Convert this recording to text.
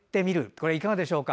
これ、いかがでしょうか。